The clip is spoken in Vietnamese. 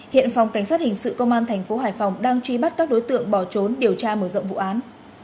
hiện phòng cảnh sát hình sự công an thành phố hải phòng đang truy bắt các đối tượng bỏ trốn điều tra mở rộng vụ án